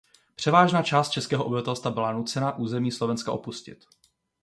Převážná část českého obyvatelstva byla nucena území Slovenska opustit.